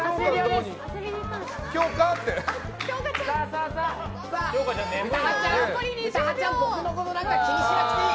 うたはちゃん僕のことなんか気にしなくていい。